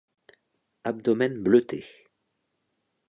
Abdomen bleuté.